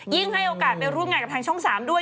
ให้โอกาสไปร่วมงานกับทางช่อง๓ด้วย